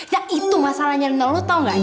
ya itu masalahnya lino lo tau gak